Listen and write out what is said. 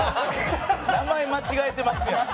名前間違えてますやん。